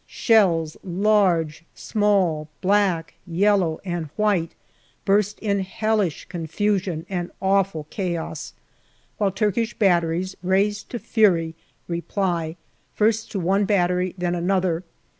Shells large, small, black, yellow, and white burst in hellish confusion and awful JUNE 147 chaos, while Turkish batteries, raised to fury, reply, first on to one battery, then another.